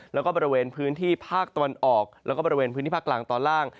แล้วก็บริเวณพื้นที่ภาคตะวันออกแล้วก็บริเวณพื้นที่ภาคกลางตอนล่าง